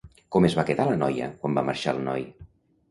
Com es va quedar la noia quan va marxar el noi?